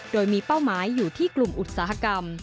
โดยมีเป้าหมายอยู่ที่กลุ่มอุตสาหกรรม